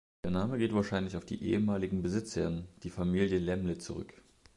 Der Name geht wahrscheinlich auf die ehemaligen Besitzern, die Familie Lämmle, zurück.